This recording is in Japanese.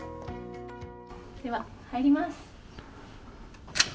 では入ります。